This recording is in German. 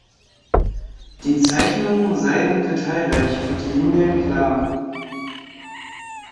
Die Zeichnungen seinen detailreich und die Linien klar.